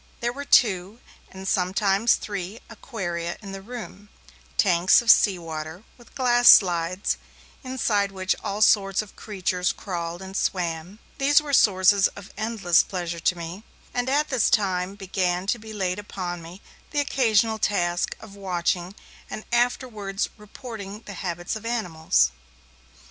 There were two, and sometimes three aquaria in the room, tanks of sea water, with glass sides, inside which all sorts of creatures crawled and swam; these were sources of endless pleasure to me, and at this time began to be laid upon me the occasional task of watching and afterwards reporting the habits of animals.